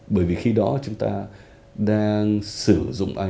bởi vì khi đó chúng ta đang sử dụng ic